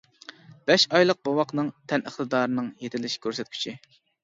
بەش ئايلىق بوۋاقنىڭ تەن ئىقتىدارىنىڭ يېتىلىش كۆرسەتكۈچى.